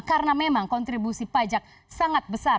karena memang kontribusi pajak sangat berlebihan